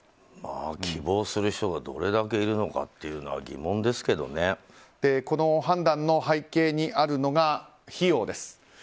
希望する人がどれだけいるのかはこの判断の背景にあるのが費用です。